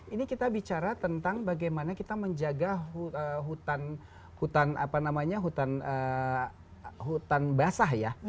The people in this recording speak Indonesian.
ini kita bicara tentang bagaimana kita menjaga hutan basah ya